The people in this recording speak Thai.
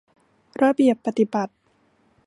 ระเบียบปฎิบัติ